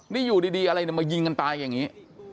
นี่อยู่ดีอะไรมายิงกันตายอย่างนี้